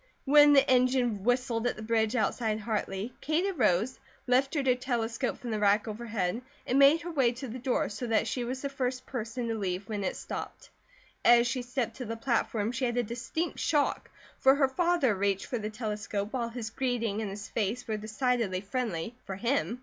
When the engine whistled at the bridge outside Hartley Kate arose, lifted her telescope from the rack overhead, and made her way to the door, so that she was the first person to leave the car when it stopped. As she stepped to the platform she had a distinct shock, for her father reached for the telescope, while his greeting and his face were decidedly friendly, for him.